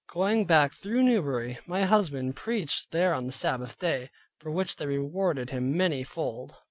Going back through Newbury my husband preached there on the Sabbath day; for which they rewarded him many fold.